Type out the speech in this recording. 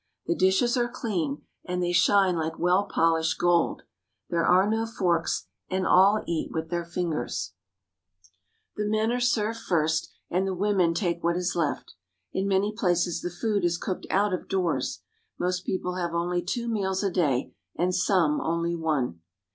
The dishes are clean, and they shine like well polished gold. There are no forks, and all eat with their fingers. "— and then turn the top stone around —" The men are served first, and the women take what is left. In many places the food is cooked out of doors. Most people have only two meals a day, and some only one.